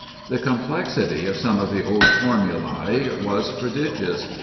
The complexity of some of the old formulæ was prodigious.